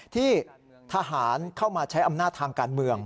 ที่ทหารเข้ามาใช้อำนาจทางการเมือง